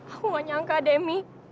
aku gak nyangka deh mi